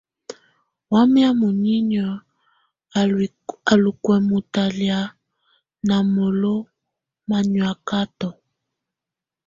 Wamɛ̀á munyinyǝ á lù kwɛ̀mɛ talɛ̀á ná molo ma nyɔakatɔ.